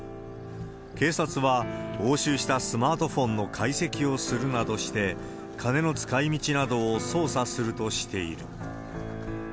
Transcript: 警察は、押収したスマートフォンの解析をするなどして、金の使いみちなどを捜査するとしている。